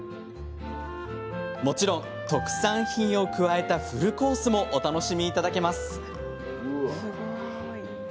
もちろん、特産品を加えたフルコースもお楽しみいただけます。